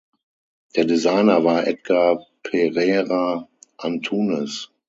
Der Designer war Edgar Pereira Antunes.